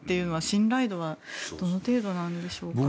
信頼度はどの程度なのでしょうか。